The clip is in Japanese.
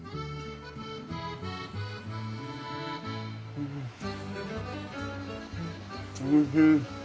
うんおいしい。